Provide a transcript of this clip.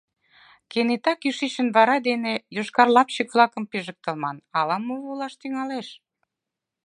Кенета кӱшычын вара дене йошкар лапчык-влакым пижыктылман ала-мо волаш тӱҥалеш.